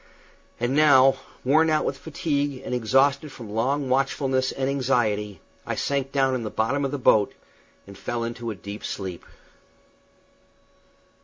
And now, worn out with fatigue and exhausted from long watchfulness and anxiety, I sank down in the bottom of the boat and fell into a deep sleep.